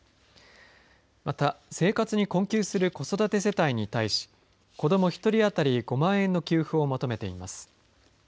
また、生活に困窮する子育て世帯に対し子ども１人当たり５万円の給付を求めています。